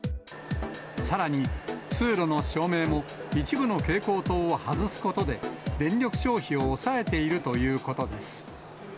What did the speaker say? さらに、通路の照明も一部の蛍光灯を外すことで、電力消費を抑えているということです。